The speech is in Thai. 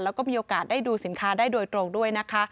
แล้วก็มีโอกาสได้ดูสินค้าได้โดยตรงด้วยนะคะ